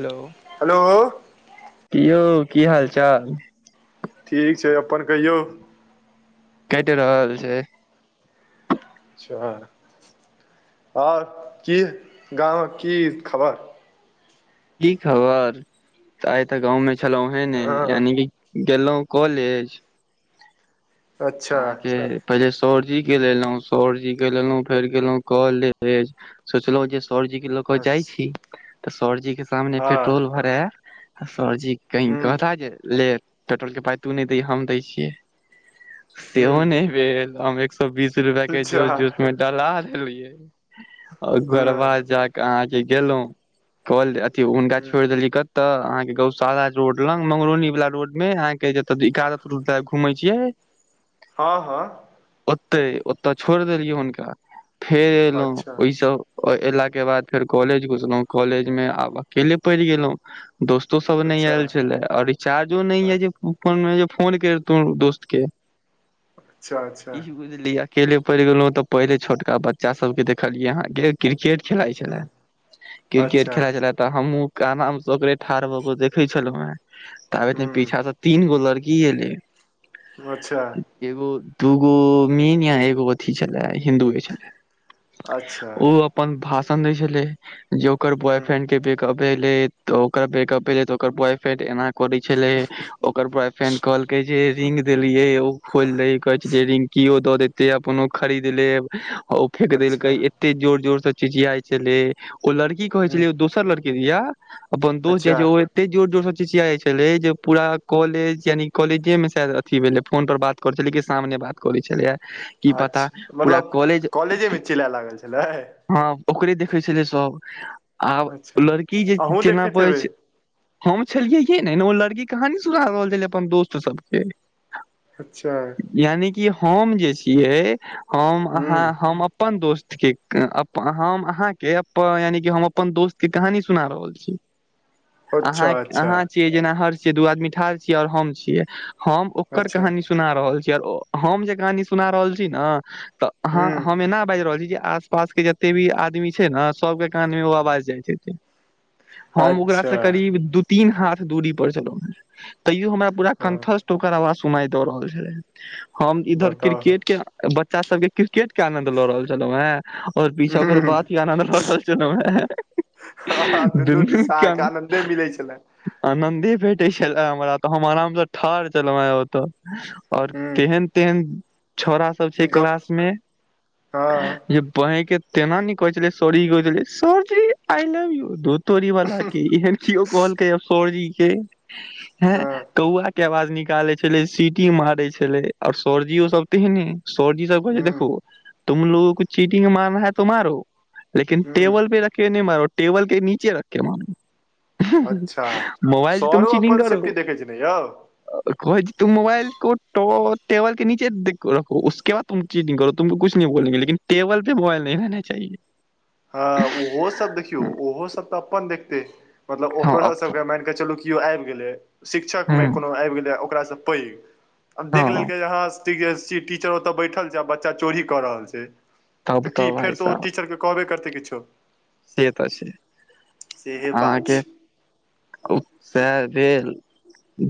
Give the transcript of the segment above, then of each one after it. Hello hello की यौ की हाल चाल? ठीक छै अपन कहियौ? कटि रहल छै। अचछा आओर की गामक की खबर? की खबर आइ तऽ गाँव में छलहु हे ने हँ यानी कि गेलहुँ कॉलेज। अच्छा अहाँके पहिले सरजीे के लेलहुँ सरजीे के लेलहुँ फेर गेलहुँ कॉलेज सोचलहुँ जे सरजी लऽ कऽ जाइ अच्छा छी तऽ सरजी के सामने हँ पेट्रोल भरा आ सरजी कहीं हूँ कहता जे ले पेट्रोल के पाइ तू नहि दैहि हम दै छियै। सेहो नहि हूँ भेल हम एक सए बीस रुपआ के अच्छा जोश जोश मे डलवा देलियै हँ ओकरबाद जाकऽ अहाँ के गेलहुं कल अथी हुनका हूँ छोड़ि देली कऽ तऽ अहाँ के गौशाला रोड लग मंगरोनी वाला रोड में अहाँ के जतऽ [inaudible] रोड घूमे छिये। हँ हँ। ओते ओतय छोड़ देलियै हुनका फेर एलहुं अच्छा ओहि सब ओ एयलाक के बाद फेर कॉलेज घुसलहुं कॉलेजमे आब अकेले पड़ि गेलहुँ। दोस्तो सब नहि अच्छा आयल छले आओर रिचार्जो न य जे फोन मे जे फोन करितहु दोस्त के। अच्छा अच्छा ई कि बुझलियै अकेले पड़ गेलों ते पहिले छोटका बच्चा सब के देखलिये अहाँ के क्रिकेट खेलाइत हूँ छलै क्रिकेट अच्छा खेलाइत छलै तऽ हमहु काना मे सबरे ठाढ़ भऽ कऽ देखे छलों हें ताबेत इ हूँ पीछा से तीन गो लड़की की एलय। अच्छा। एगो दूगो मीन या एगो अथी छलै हिन्दूये छलै। अच्छा ओ अपन भाषण दै छले जे ओकर बॉय हूँ फ्रेंड के ब्रे कप भेलै तऽ ओकर ब्रेकअप भेलै तऽ ओकर बॉय फ्रेंड एना करे छले ओकर बॉयफ्रेंड कहलकै जे रिंग देलियै ओ खोलि दय कहै जे रिंगकियो दऽ देते अपनो खरीद लेब ओ फेेक अच्छा देलकै ए एते जोर जोर से चिचियाइ छले ओ लड़की कहे हूँ छलै दोसर लड़की दिया अपन दोस्त जाइ अच्छा छै ओइ एते जोर जोर सऽ चिचियाइ छले जे पूरा कॉलेज यानि कॉलेजे मे अथी भेलै फोन पर बात करै छलै कि सामने बात करै छलैये की पता अच्छा पूरा मतलब कॉलेज कॉलेजेमे चिलए लागल छलै हँ ओकरे देखे छलै सब आब अच्छा लड़की जे अहूँ केना देखैत बजय हेबै छै। हम छलियैहे नहि। ओ लड़की कहानी सुना रहल छलै अपन दोस्त सभकेँ। अच्छा। यानि कि हम जे छियै, हम अहाँ ह्म हम अपन दोस्त के अप हम अहाँके अप- यानिकि हम अपन दोस्त के कहानी सुना रहल छी। अच्छा अहाँके अच्छा अहाँ छियै जेना हर्ष छियै, दू आदमी ठाढ़ छियै आओर हम छियै हम ओकर अच्छा कहानी सुना रहल छियै आओर हम जे कहानी सुना रहल छी ने, तऽ हाँ ह्म हम एना बाजि रहल छी जे आस पास के जतेक भी आदमी छै ने, सभके कानमे ओ आवाज जाइत हेतै। हम ओकरासँ अच्छा करीब दू तीन हाथ दूरीपर छलहुँ हेँ, तैओ हमरा पूरा हँ कंठस्थ ओकर आवाज सुनाई दऽ रहल छलए। हम इधर बताउ क्रिकेट के बच्चा सभके क्रिकेट के आनंद लऽ रहल छलहुँ हें आओर ह पीछा ओकर बातके आनन्द लऽ रहल छलहुँ हेँ। हँ, दुनू दिशा अहाँकेँ आनन्दे मिलैत छलए। आनन्दे भेटैत छलए हमरा ओतय, हम आरामसँ ठाढ़ छलहुँ हेँ ओतय। और ह तेहन तेहन छौंड़ा सभ छै गप क्लास मे, हँ जे बाँहिके तेना नहि कहैत छलै sorry [unintelligible] sir ji I love you धुर तोरी वालाके, एहेन केओ कहलकै सॉरी के? हें? हँ कौआके आवाज निकालैत छलै सी टी मारैत छलै आओर सरजी सभ तेहने, सरजी सभ कहैत छै ह देखू तुम लोगों को चीटिंग मारना है तो मारो, लेकिन ह टेबल पे रख के नही मारो। टेबल के नीचे रखके मारो। अच्छा मोबाइल तुम सरो चीटिंग अपन करो। सेफ्टी देखै छै ने यौ कहैत छै तुम मोबाइल को टो टेबल के नीचे दे के रखो, उसके बाद तुम चीटिंग करो। तुमको कुछ नहीं बोलेंगे, लेकिन टेबल पे मोबाइल नहीं रहना चाहिए। हँ, ओहो सभ, देखियौ ओहो सभ तऽ अपन देखतै। मतलब हँ ओकरो अब सभके मानि कऽ चलू कि केओ आबि गेलै, शिक्षकमे हँ कोनो आबि गेलै ओकरासँ पैघ। आब देख लेलकै जे हँ कि जे शि टीचर ओतय बैठल छै आ बच्चा चोरी कऽ रहल छै, तब तऽ की भाय फेर तऽ ओ साहब टीचर के कहबे करतै किछो। से तऽ छै। सेहे बात अहाँके छै ओक सएह भेल।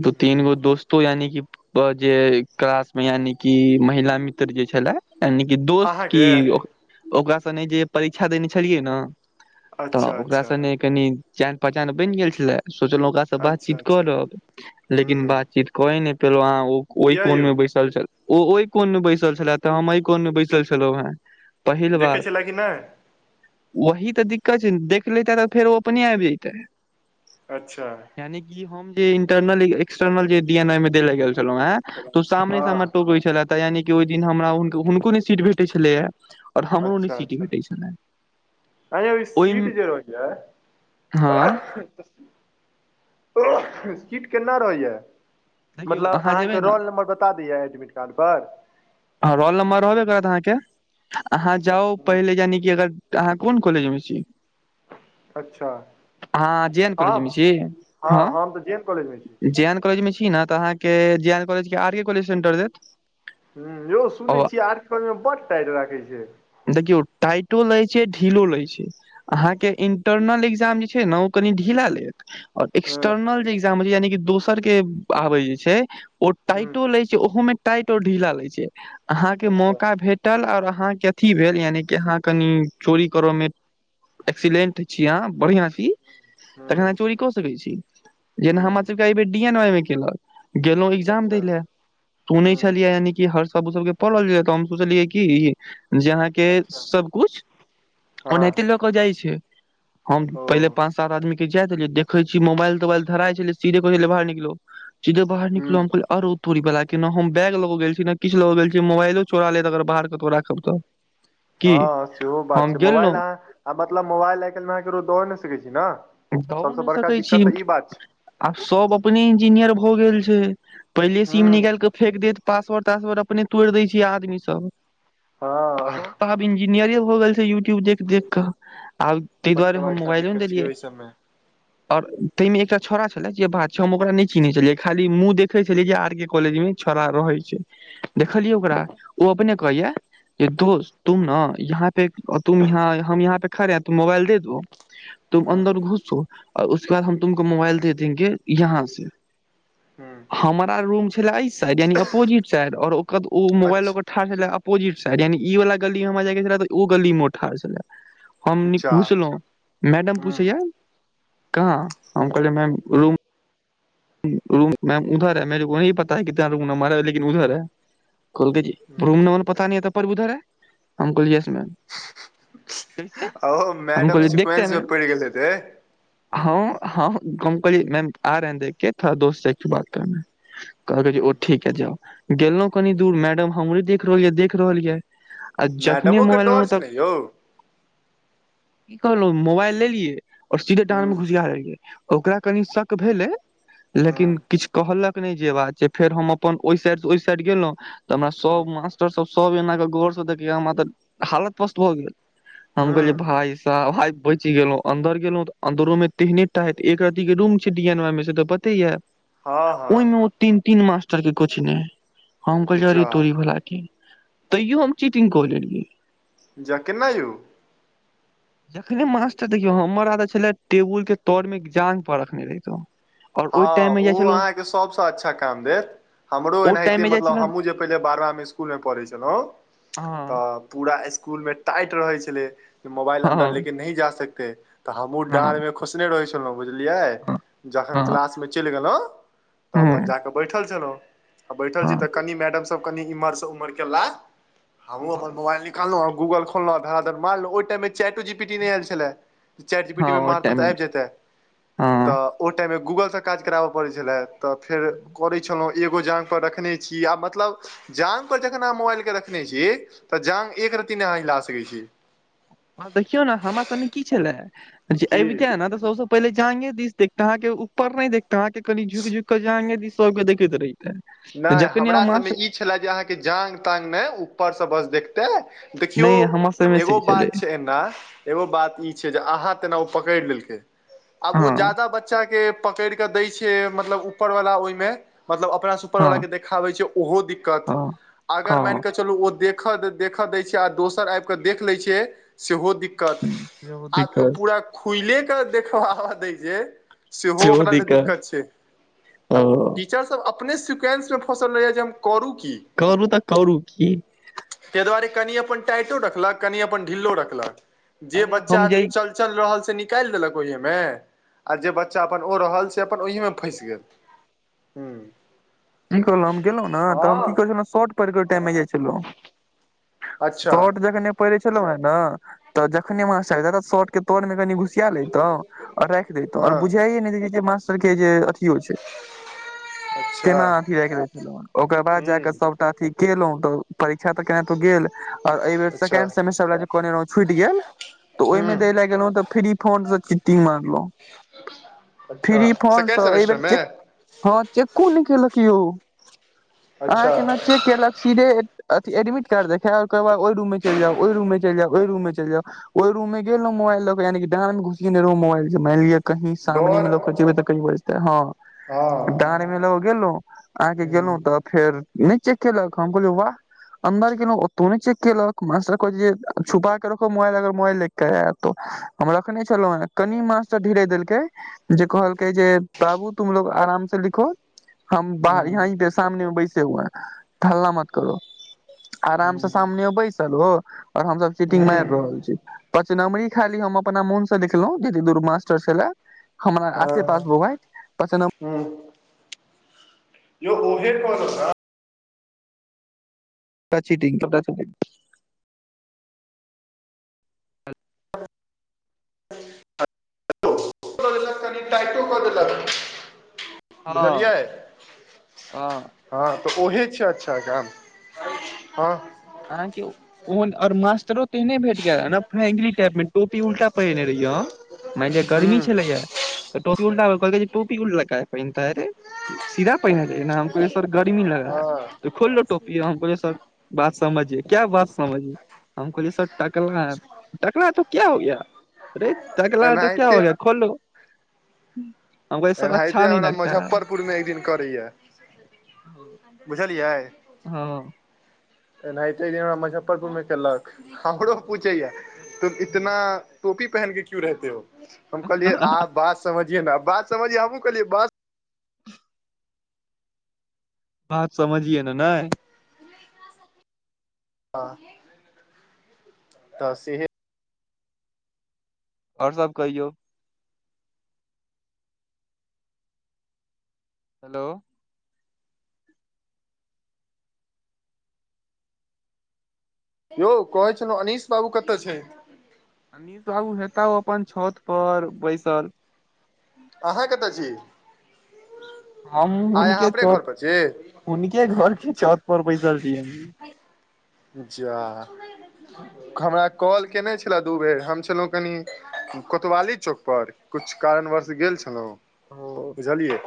दो तीन हूँ गो दोस्तो यानिकि ओ जे क्लास मे यानिकि महिला मित्र जे छलए यानिकि दोस्त की, अहाँके ओ ओकरा संगे जे परीक्षा देने छलियै ने तऽ अच्छा ओकरा अच्छा संगे कनि जान-पहचान बनि गेल छलए, सोचलहुँ ओकरा सँ अच्छा बातचीत अच्छा हूँ करब, लेकिन बातचीत कैए नहि पयलहुँ। अहाँ ओ ओहि किया यौ कोनमे बैसल छलए। ओ ओहि कोनमे बैसल छलए, तऽ हम एहि कोनमे बैसल छलहुँ हेँ। पहिल देखै बात छलए कि नहि वही तऽ दिक्कत छै ने। देख लैतए तऽ फेर ओ अपने आबि जैतए। अच्छा। यानिकि हम जे इंटरनल एक्सटर्नल जे डी एन आई मे दै लेल गेल छलहुँ हें तऽ ओ सामनेसँ हमरा हँ टोकैत छलए, तऽ यानिकि ओहि दिन हमरा हुनको हुनको नहि सीट भेटैत छलैए आओर हमरो नहि सीट भेटैत छलए। आँए यौ ई सीट जे होइए हँ ओ सीट केना रहैए? देखियौ मतलब अहाँ जेबै अहाँकेँ ने रोल नम्बर बता दैए एडमिट कार्ड पर? हँ, रोल नम्बर रहबे करत अहाँकेँ। अहाँ जाउ, हूँ। पहिले यानिकि अगर, तऽ अहाँ कोन कॉलेज मे छी? अच्छा अहां- जे एन कालेजमे हम छी? हँ हम तऽ जे एन कॉलेज मे छी हँ-जे एन कालेज मे छी न तऽ अहाँ के जे एन कॉलेज के आर के कॉलेज सेंटर देत। हं यौ सुनै ओ छीयै आरके कालेज में बड टाइट राखै छै। देखियौ टाइटो लयछै ढिलो लै छै। अहाँके इंटरनल एक्जाम जे छै ने ओ कनी ढीला लेत आ ह एक्सटर्नल जे ए्ग्जाम जे हय छय यानि की दोसर के आबय जे छै ओ ह टाइटो लय छै ओहो में टाइट और ढीला लय छै, अहाँ के अच्छा मौका भेट टल और अहाँके अथी भेल यानि कि अहाँ कनि चोरी करऽ मे एक्सिलेंट छी अहाँ, बढ़ियां छी। ह तखन अहां चोरी कऽ सकै छी जेना ह हमर सबके अय बेर डी एन वाई मे केलक। गेलहुं एग्जाम अच्छा दै लय सुनै ह छलियै यानि की हर स- सबु सब के परल रय तऽ हम सोचलियै कि जे अहाँ के अच्छा सब कुछ हँ ओनाहिते लऽ कऽ जाइ छै। हम ओ पहिले पाँच सात आदमी के जै देलियै, देखै छी मोबाइल तोबाइल धराइ छलै सीधे कहै छलै बाहर निकलो। सीधे बाहर ह निकलो हम कहलिए अरौ तोरी बला के ने हम बैग लक‌ गेल छी न किछऽ लक‌ गेल छी मोबाइलो चोरा लेत अगर बाहर कतौ राखब तऽ की हँ सेहो बात हम छै, मोबाइल अहाँ गेलहुँ आ मतलब मोबाइल आइ कायलमे अहाँ ककरो द‌औ नइ ने सकै छी न द‌औ न‌इ सकै छी आब सब अपने इंजीनियर भऽ गेल छै पहिले सीम ह निकाइल के फेेक देत पासवर्ड तासवर्ड अपने तोइड़ दैय छै आदमी सब हँ सब तऽ आब इंजीनियरै भऽ गेल छै यूट्यूब देख देख क आब तै दुआरे हम मोबाइलो न‌इ देलियै। इ सब में और तैं मे एकटा छौडा छलै जे बात छै हम ओकरा नइ चिन्हय छलियै खाली मुंह देखै छलियै जे आर के कॉलेज मे छौंरा रहै छै देखलियै ओकरा ओ अपने कहैया जे दोस्त तुम न यहाँ पे तुम यहां हम यहाँ पे खड़े हैं तुम मोबाइल दे दो। तुम अन्दर घुसो आ उसके बाद हम तुमको मोबाइल दे देेंगे यहाँ से हमरा रूम छले अय साइड यानि अपोजिट साइड ओर ओकर ओ- अच्छा मोबाइल ओकर ठाड़ छलै अपोजिट साइड यानि ई वाला गली मे हमरा जाय के छलै तऽ ओ गली मे ठाड़ छलै। हम नि जा घुसलौं मैडम हूँ पूछैय [unintelligible] हम कहलिय मेम रूम [unintelligible] कहलकै जे [unintelligible] हम कहलिय यस मैम कैसे ओ हम मैडम सिक्वेंस मे पैड़ गेल हेेतै हँ हँ हम कहलियै- [unintelligible] एकठो बात [unintelligible] कहलकै जे ओ [unintelligible] गेलहुँ कनि दूर मैडम हमरे देख रहल यै देख रहल यैए आ जखने मैडमो के मोबाइल डर लेलहु छै त ने यौ की कहलौं मोबाइल लेलियए और सीधे डांड़ हूँ मे घुसिया लेलीयै। ओकरा कनि शक भेलै हँ लेकिन किछ कहलक नइ जे बात छै, फेर हम अपन ओहि साइडस ओहि साइड गेलहुँ। तऽ हमरा सब मास्टर सब सब एनाक गौरस देखियै हमरा तऽ हालत पस्त भऽ गेल। हम कहलियै भाय साब आय बइच गेलों अंन्दर गेलो तऽ अंन्दरो में तेहने हैत एक रती के रूम छै डी एन वाइ मे से तऽ पतेया हँ ओइमे ओ तीन -तीन मास्टर के कोचने हम कहलियै अरे जा तोरी भाला के तैयो हम चीटिंग कऽ लेलिऐ। जा केना यौ? जखने मास्टर देखियौ हमर आदत छले टेबुल के तर मे जांघ पर रखने रहितौ। हँ ओ अहाँके सबसे अच्छा काम भेल। हमरो ओ टाइम एनाहिते मे जाइ मतलब छलहुँ हमहूँ जे पहिले बारहवामे इस्कुलमे पढ़ै छलहुँ हं तऽ पूरा इस्कुलमे टाइट रहै छलै जे मोबाइल हँ अन्दर ले के हँ नहि जा सकते तऽ हमहूँ डाँड़मे खोसने रहैय छलहुँ बुझलियै हँ हँ क्लास मे चलि गेलहुं तऽ अपन हँ जा कऽ बैठल छलौं तऽ बैठल छी हँ त कनी मैडम सब कनी इमहर स उमहर गेलैथ तऽ हमहूँ अपन मोबइल नि नीकाललौ आ गूगल खोलहुं धरा धर मारलौ ओइ टाइम मे चैटो जी पीटी नहि आयल छले चाट हँ चिपिटीमे ओ मारतौ टाइम तऽ आबि जेतै हँ तऽ ओ टाइम मे गूगल स काज कराब‌ पड़ै छले तऽ फेर करै छलहुं एगो जाँघपर रखने छी आ मतलब जांघ पर जखन अहाँ मोबाइलके रखने छी तऽ जांघ एक रत्ती न‌इ अहाँ हिला सकैत छी। आ देखियौ ने हमरा सभमे की छलै अबिते की ने तऽ स पहिले जांगे दिस देखते अहा के ऊप न नहि देखतेझ़् अहां के कनि झुक झुक के जांगे दिस सब के देखैत रहिते तऽ जखनेथं हम मास छले जे अहाँके जाांग तांग ने ऊपर से बस देखते देखियौ नहि हमरा सबमे एगो से छलै बात छै एना एगो बात ई छै जे अहाँ तेन पकड़ि लेलकै आब ओ हँ जादा बच्चाके--ओऔो् पकड़ी के दैक्छै र ओहिब हँ वला के देखाबै छै ओहो दिक्कत हँ अगर हँ मानिकऽ चलू ओ देख देखऽ दै छै आ दोसर आब कऽ देख लै छियै सेहो दिकत त सेहो आब दिक्कत पूरा खुले के देखबाबा दै जे सेहो ओकरा ल दिक्कत छै ओ तऽ टीचर सब अपने सिक्वेन्समे फँसल रहैया जे हम करू क कि। करू तऽ करू की? ताहि दुआरे कनि अपन टाइटो रखलक कनि अपन ढिलो रखलक जे अरे बच्चा हम जे चल चल रहल से निकालि देलक ओहिहे मे आ जे बच्चा अपन ओ रहल छै से अपन ओहिमे फँसि गेल ह की कहलहुं हम गेलहुँ ने तऽ हम की कहै छलहुँ श प टाइम मे जाइ छलहुँ। अच्छा शर्ट जखने पहिरे छलहु हे ने तऽ जखने मास शार्ट के तर मे कनी घुस सिया लैतो आ राखि देैतो और हँ बुझाइये नहि देैत जे मास्टर के जे अथियो छै। अच्ा [unintelligible] तेना अथि राखि दै छलहुँ हँ ओकर बाद जाकऽ हूँ सब तऽ अथि केलहुँ तऽ परीक्षा तऽ केना तो गेल और एहि बेर अच्छा सेकेंड सेमेस्टर लै जे कोइ छुटि गेल तऽ ओहिमे हूँ दै लए गेलहुँ तऽ फ्री फोनसँ चिट्टींग मारलहुँ अच्छा फ्री सेकेण्ड फोनसँ एहि बेर सेमेस्टरमे च हँ चेको नहि केलक यौ अहाँ अच्छा केना चेक केलक सीधे अथि एडमिट कार्ड देखय ओकरा बादे ओ रूममे चलि जाउ ओहि रूममे चलि जाउ ओहि रूममे चलि जाउ ओहि रूममे गेल रही मोबइल ल के यानि डाड़मे घुसेने रहो मोबाइल से मैनेजर कही सामने डर मे लोक जेबै तऽ क बजतै हँ हँ द गेलहु अहाँके गेलहुं हूँ तऽ फेर नहि चेक केलक हम कहलियै वाह हमबार क ओतहु नै चेक केलक मासरै छै जे छुपा रखो मोइलग मबइल ल हम रखने छलहु हे कनि मास्टर तऽ ढिले देलकै जे कहलकै जे बाबू तुमलोग आराम से लिखो हम हूँ बाहर यहा हूँ पे सामने मे बैसे हुए है तल्ला मत करो आराम से सामने बैसल ओ, आओर हमसभ हूँ सीटिंग मारि हँ रहल छी पच नमरी खाली हम अपना मोन से देखलहुं जती दूर मास्टर छले हमान आ सें पास मोबाइल पंच हँ य ओहे कॉल हो ने पचटिंग पता चले [unintelligible] देलक कनी टाइटो क देलक हँ बुझलियै। हँ हँ तऽ उहे छै अच्छा काम हँ अहाँके ओहनर मासटरो तेहने भेट गेलरै नै फ्रीएग्री टोपी उल्टा पहिरने रहियै हम मानि लि गर्मी हूँ छलैया त टोपी उल्टा कहलै जे टोपी उल्टा कोन पेहनता रै सीधा पहिने जाइ न हमो सर गर्मी लग रह ह तो खुलो टोपी हमो कहलिए सर समझिय क्या बात समझिये हम कहोलिय सर टकला है टकला है तो क्या हो गया अरे टकला है तो क्या एनाहिते हो गया खोलअ एनाहिते अच्छा नहीं हमरा लगता है मुजफ्फरपुर मे एक दिन करैया बुझलियै। हँ एनाहिते दिन हमरा मुजफ्फरपुरमे चइल रहलछे हमरो पूछैए तु इतना टोपी पहन के क्यू रहते हो, हम कहलियए आप बात समझिये न बात समझिये हमहूँ कहलिय बात बात समझिये न नैय हऽ त सेह और सब कहियौ हेलो यौ कहै छेलो अनीश बाबू कतऽ छै। अनीश बाबू हेता अपन छत पर बैसल अहाँ कतय छी। हम आइ अहाँ हुनके अपने घर चौत पर छी हुनके घर के छत पर बैसल छी। जा घबरा कॉल केने छेलै दू बेर हम छलहुँ कनि कोतवाली चौक पर कुछ कारणवश गेल छलहुँ ओ बुझलियै।